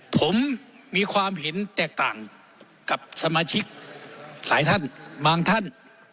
ผมมีความเห็นแตกต่างกับสมาชิกหลายท่านบางท่าน